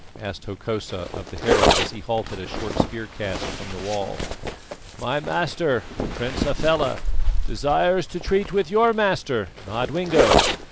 asked Hokosa of the herald as he halted a short spear cast from the wall. "My master, the Prince Hafela, desires to treat with your master, Nodwengo.